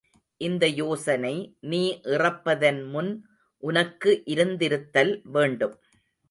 இந்த யோசனை நீ இறப்பதன் முன் உனக்கு இருந்திருத்தல் வேண்டும்.